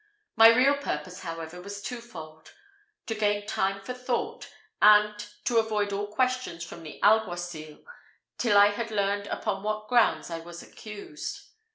My real purpose, however, was twofold: to gain time for thought, and to avoid all questions from the alguacil, till I had learned upon what grounds I was accused.